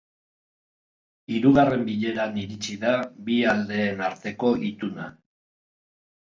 Hirugarren bileran iritsi da bi aldeen arteko ituna.